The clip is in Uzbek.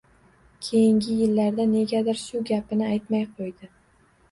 Keyingi yillarda negadir shu gapini aytmay qo‘ydi